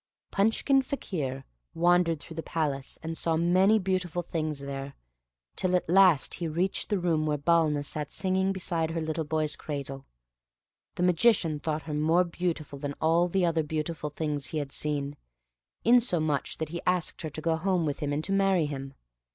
Punchkin Fakir wandered through the palace, and saw many beautiful things there, till at last he reached the room where Balna sat singing beside her little boy's cradle. The Magician thought her more beautiful than all the other beautiful things he had seen, insomuch that he asked her to go home with him and to marry him.